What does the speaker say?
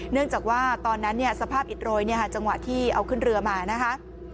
เนื่องจากว่าตอนนั้นสภาพอิดโรยจังหวะที่เอาขึ้นเรือมานะคะ